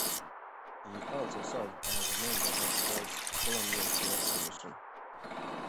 He also served as a member of the World's Columbian Fair Commission.